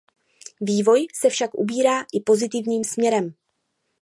Vývoj se však ubírá i pozitivním směrem.